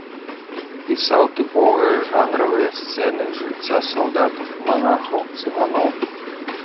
Пісаў тыповыя жанравыя сцэны з жыцця салдат, манахаў, цыганоў.